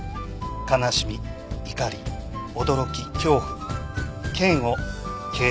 悲しみ怒り驚き恐怖嫌悪軽蔑